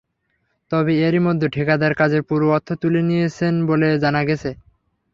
তবে এরই মধ্যে ঠিকাদার কাজের পুরো অর্থ তুলে নিয়েছেন বলে জানা গেছে।